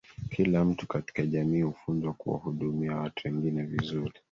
kila mtu katika jamii hufunzwa kuwahudumia watu wengine vizuri